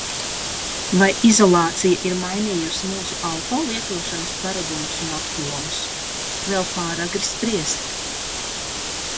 Vai izolācija ir mainījusi mūsu alko lietošanas paradumus un apjomus? Vēl pāragri spriest.